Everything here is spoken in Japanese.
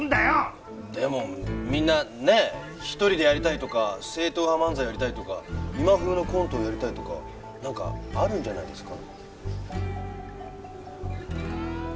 でもみんなねえ１人でやりたいとか正統派漫才をやりたいとか今風のコントをやりたいとかなんかあるんじゃないですか？